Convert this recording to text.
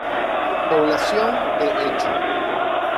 Población de hecho.